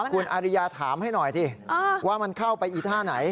คุณอาริยาถามให้หน่อยสิว่ามันเข้าไปอีท่าไหน